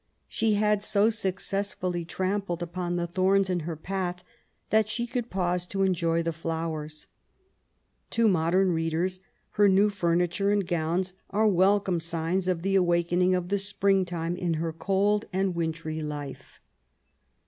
She had so successfully trampled upon the thorns in her path that she could pause to enjoy the flowers. To modem readers her new furniture and gowns are welcome signs of the awakening of the springtime in her cold and wintry life.